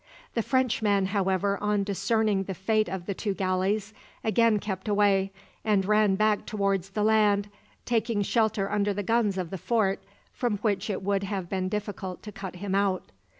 The Frenchman, however, on discerning the fate of the two galleys, again kept away, and ran back towards the land, taking shelter under the guns of the fort, from which it would have been difficult to cut him out.